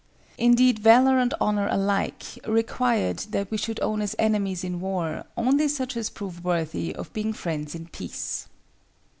Indeed valor and honor alike required that we should own as enemies in war only such as prove worthy of being friends in peace.